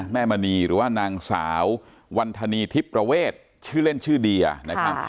มณีหรือว่านางสาววันธนีทิพย์ประเวทชื่อเล่นชื่อเดียนะครับ